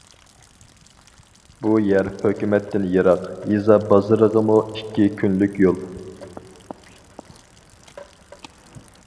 بۇ يەر ھۆكۈمەتتىن يىراق، يېزا بازىرىغىمۇ ئىككى كۈنلۈك يول.